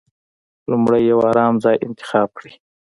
لومړی يو ارام ځای انتخاب کړئ.